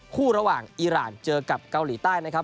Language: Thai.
คู่ระหว่างอีรานเจอกับเกาหลีใต้นะครับ